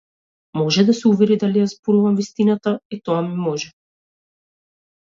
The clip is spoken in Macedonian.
Може да се увери дали ја зборувам вистината, е тоа ми може.